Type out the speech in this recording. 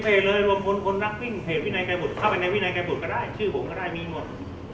เป็นกล่องเล็กกล่องเล็กโอเคครับให้ดูอย่างงี้กัน